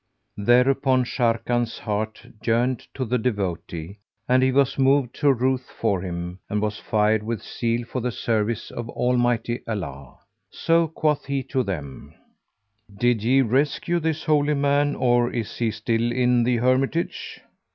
Thereupon Sharrkan's heart yearned to the devotee and he was moved to ruth for him and was fired with zeal for the service of Almighty Allah. So quoth he to them, "Did ye rescue this holy man or is he still in the hermitage?"